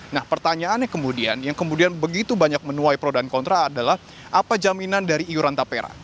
nah pertanyaannya kemudian yang kemudian begitu banyak menuai pro dan kontra adalah apa jaminan dari iuran tapera